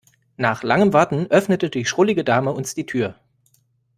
Nach langem Warten öffnete die schrullige Dame uns die Tür.